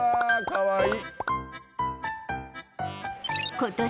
かわいい。